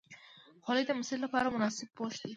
خولۍ د مسجد لپاره مناسب پوښ دی.